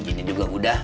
udinnya juga udah